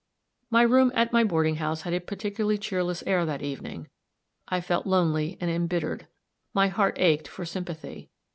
My room at my boarding house had a particularly cheerless air that evening; I felt lonely and embittered. My heart ached for sympathy.